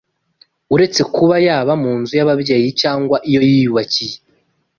uretse kuba yaba mu nzu y’ababyeyi cyangwa iyo yiyubakiye